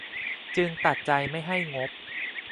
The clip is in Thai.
จึงตัดใจไม่ให้งบ